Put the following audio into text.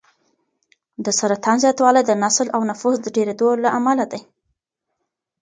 د سرطان زیاتوالی د نسل او نفوس ډېرېدو له امله دی.